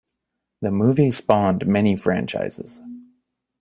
The movie spawned many franchises.